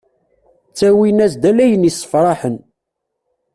Ttawin-as-d ala ayen yessefraḥen.